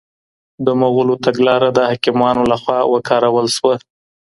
د مغولو تګلاره د حاکمانو لخوا وکارول سوه.